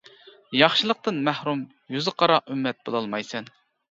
ياخشىلىقتىن مەھرۇم، يۈزى قارا ئۈممەت بولالمايسەن.